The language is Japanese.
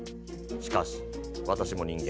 しかし私も人間。